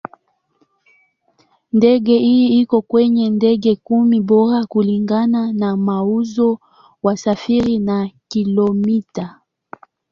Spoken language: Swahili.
Ndege hii iko kwenye ndege kumi bora kulingana na mauzo, wasafiri na kilomita.